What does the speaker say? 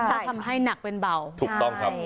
ซาสำให้หนักเป็นเบา